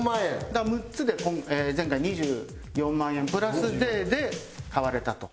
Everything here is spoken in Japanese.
だから６つで前回２４万円プラス税で買われたと。